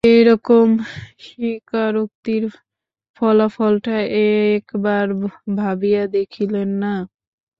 এরকম স্বীকারোক্তির ফলাফলটা একবার ভাবিয়া দেখিলেন না?